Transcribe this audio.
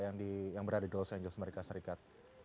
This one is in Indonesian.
yang berada di los angeles amerika serikat